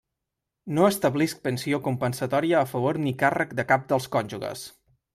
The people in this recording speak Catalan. No establisc pensió compensatòria a favor ni càrrec de cap dels cònjuges.